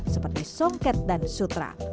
seperti songket dan sutra